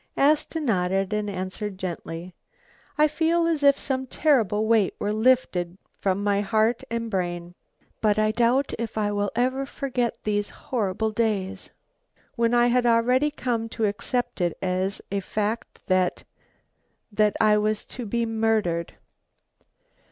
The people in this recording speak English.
Asta nodded and answered gently: "I feel as if some terrible weight were lifted from my heart and brain. But I doubt if I will ever forget these horrible days, when I had already come to accept it as a fact that that I was to be murdered."